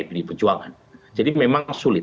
pdi perjuangan jadi memang sulit